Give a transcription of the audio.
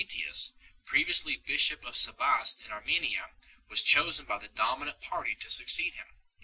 Meletius, previously bishop of Sebaste in Armenia, was chosen by the dominant party to succeed him 1